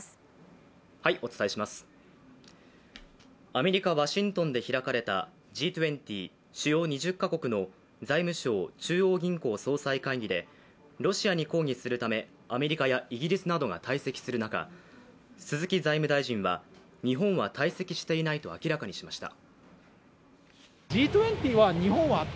アメリカ・ワシントンで開かれたＧ２０＝主要２０か国の財務相・中央銀行総裁会議でロシアに抗議するためアメリカやイギリスなどが退席する中鈴木財務大臣は日本は退席していないと明らかにしました。